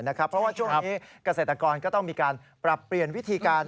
เพราะว่าช่วงนี้เกษตรกรก็ต้องมีการปรับเปลี่ยนวิธีการ